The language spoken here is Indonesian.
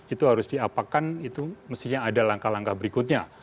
itu harus diapakan itu mestinya ada langkah langkah berikutnya